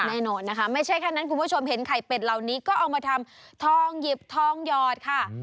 แน่นอนนะคะไม่ใช่แค่นั้นคุณผู้ชมเห็นไข่เป็ดเหล่านี้ก็เอามาทำทองหยิบทองหยอดค่ะ